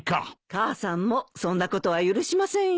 母さんもそんなことは許しませんよ。